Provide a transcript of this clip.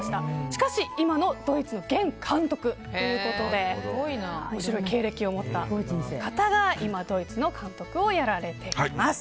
しかし、今のドイツの現監督ということで面白い経歴を持った方が今ドイツの監督をやられています。